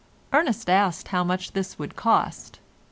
Ernest asked how much this would cost.